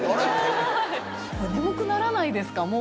眠くならないですか？